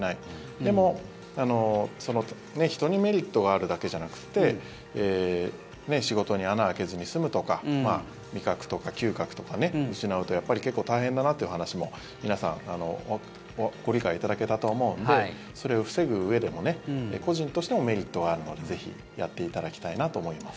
でも、人にメリットがあるだけじゃなくて仕事に穴を開けずに済むとか味覚とか嗅覚とか失うとやっぱり結構大変だなっていう話も皆さんご理解いただけたと思うのでそれを防ぐうえでも個人としてもメリットはあるのでぜひ、やっていただきたいなと思います。